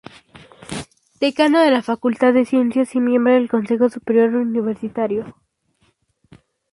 Decano de la Facultad de Ciencias y miembro del Consejo Superior Universitario.